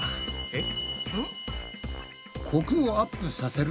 えっ？